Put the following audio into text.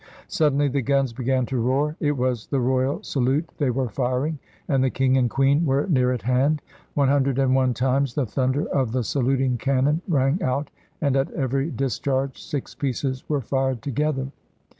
Suddenly the guns began to roar. It was the Royal Salute they were firing, and the King and Queen were near at hand. One hundred and one times the thunder of the saluting cannon rang out, and at every discharge six pieces were fired together.